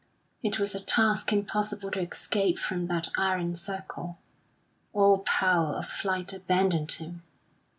It was a task impossible to escape from that iron circle. All power of flight abandoned him.